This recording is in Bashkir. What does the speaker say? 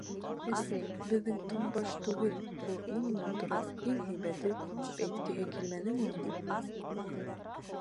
«Әсәй беҙҙең туңбаш түгел, ул иң матуры, иң һәйбәте», тип әйткеһе килмәнеме уның?